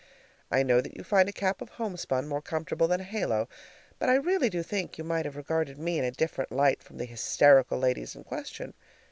I know that you find a cap of homespun more comfortable than a halo, but I really do think that you might have regarded me in a different light from the hysterical ladies in question.